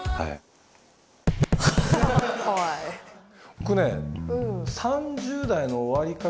僕ね。